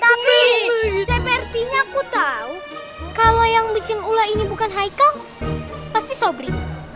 tapi sepertinya aku tahu kalau yang bikin ula ini bukan hai kang pasti sobri